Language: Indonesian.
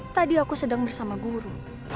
tadi aku sedang bersama guru